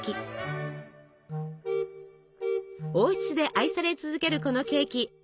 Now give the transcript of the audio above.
王室で愛され続けるこのケーキ